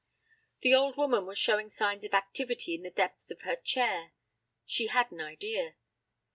The old woman was showing signs of activity in the depths of her chair; she had an idea.